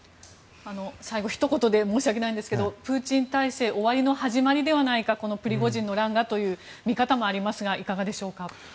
最後ひと言で申し訳ないんですけどもプーチン体制終わりの始まりではないかプリゴジンの乱がという見方もありますがいかがでしょうか？